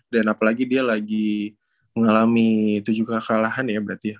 dan apalagi dia lagi mengalami tujuh kalahan ya berarti ya